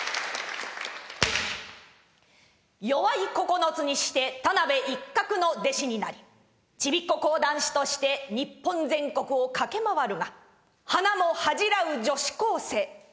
齢９つにして田辺一鶴の弟子になりちびっ子講談師として日本全国を駆け回るが花も恥じらう女子高生。